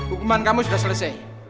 hukuman kamu sudah selesai